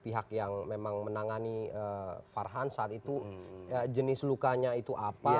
pihak yang memang menangani farhan saat itu jenis lukanya itu apa